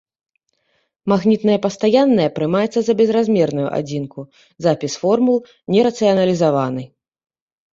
Магнітная пастаянная прымаецца за безразмерную адзінку, запіс формул не рацыяналізаваны.